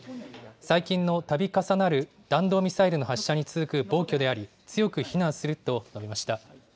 最近のたび重なる弾道ミサイルの発射に続く暴挙であり強く非難すると述べました。